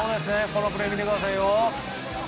このプレー見てください。